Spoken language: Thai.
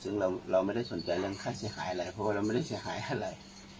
ซึ่งเราไม่ได้สนใจเรื่องค่าเสียหายอะไรเพราะว่าเราไม่ได้เสียหายอะไร